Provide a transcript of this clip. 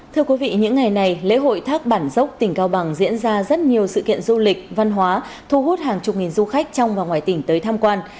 thưa quý vị những ngày này lễ hội thác bản dốc tỉnh cao bằng diễn ra rất nhiều sự kiện du lịch văn hóa thu hút hàng chục nghìn du khách trong và ngoài tỉnh tới tham quan